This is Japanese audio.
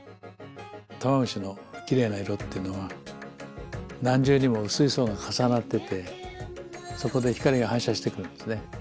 タマムシのきれいな色っていうのは何重にも薄い層が重なっててそこで光が反射してくるんですね。